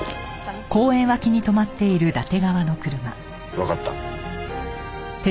わかった。